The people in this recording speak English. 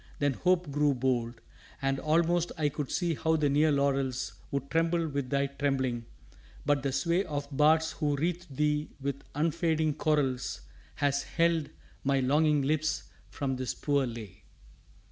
Then hope grew bold. And almost I could see how the near laurels Would tremble with thy trembling: but the sway Of bards who wreathed thee with unfading chorals Has held my longing lips from this poor lay.